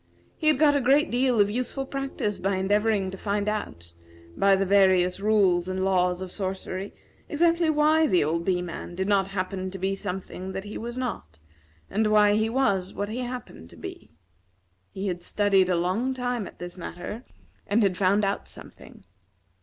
He had got a great deal of useful practice by endeavoring to find out, by the various rules and laws of sorcery, exactly why the old Bee man did not happen to be something that he was not, and why he was what he happened to be. He had studied a long time at this matter, and had found out something.